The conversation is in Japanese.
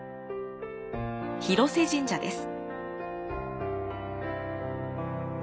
広瀬神社です。